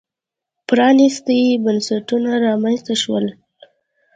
پرانېستي بنسټونه رامنځته شول.